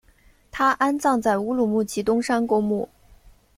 他安葬在乌鲁木齐东山公墓。